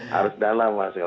harus dalam mas